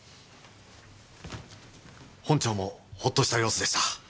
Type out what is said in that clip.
本庁もほっとした様子でした。